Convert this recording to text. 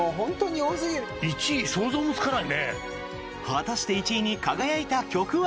果たして、１位に輝いた曲は？